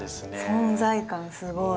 存在感すごい。